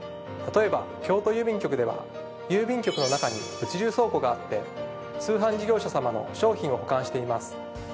例えば京都郵便局では郵便局の中に物流倉庫があって通販事業者様の商品を保管しています。